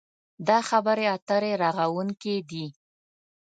دا خبرې اترې رغوونکې دي.